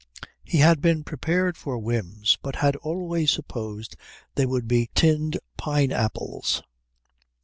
He had been prepared for whims, but had always supposed they would be tinned pine apples.